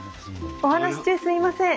お話し中すいません。